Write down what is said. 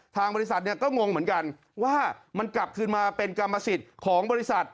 ทางบริษัทเนี่ยก็งงเหมือนกันว่ามันกลับคืนมาเป็นกรรมสิทธิ์ของบริษัท